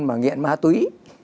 mà nghiện ma túy